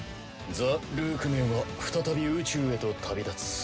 ザ・ルークメンは再び宇宙へと旅立つ。